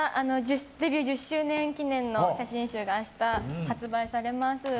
デビュー１０周年記念の写真集が明日、発売されます。